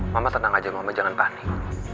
mama tenang aja mama jangan panik